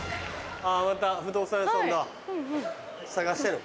また不動産屋さんだ探してんのかな？